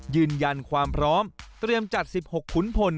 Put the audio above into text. ยืนยันความพร้อมเตรียมจัด๑๖ขุนพล